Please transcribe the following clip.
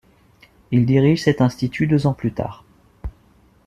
Il dirige cet institut deux ans plus tard.